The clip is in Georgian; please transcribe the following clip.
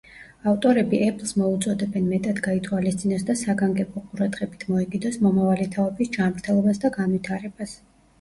ავტორები „ეფლს“ მოუწოდებენ, მეტად გაითვალისწინოს და „საგანგებო ყურადღებით“ მოეკიდოს „მომავალი თაობის ჯანმრთელობას და განვითარებას“.